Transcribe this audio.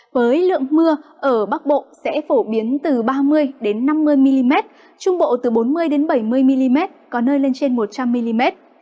với lượng mưa ở bắc bộ sẽ phổ biến từ ba mươi năm mươi mm trung bộ từ bốn mươi bảy mươi mm có nơi lên trên một trăm linh mm